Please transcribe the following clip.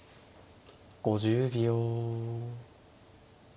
５０秒。